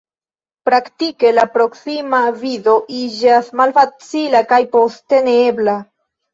Praktike, la proksima vido iĝas malfacila, kaj poste neebla.